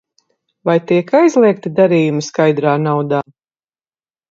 Vai tiek aizliegti darījumi skaidrā naudā?